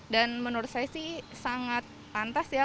dan menurut saya sih sangat pantas ya